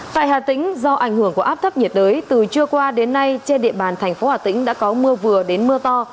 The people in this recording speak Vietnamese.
tại hà tĩnh do ảnh hưởng của áp thấp nhiệt đới từ trưa qua đến nay trên địa bàn thành phố hà tĩnh đã có mưa vừa đến mưa to